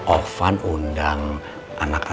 ovan undang anak anaknya